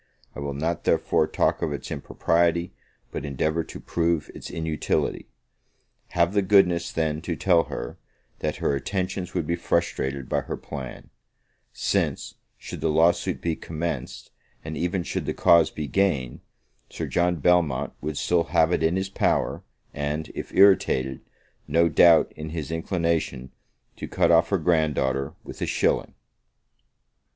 I will not, therefore, talk of its impropriety, but endeavour to prove its inutility. Have the goodness, then, to tell her, that her own intentions would be frustrated by her plan; since, should the lawsuit be commenced, and even should the cause be gained, Sir John Belmont would still have it in his power, and, if irritated, no doubt in his inclination, to cut off her grand daughter with a shilling.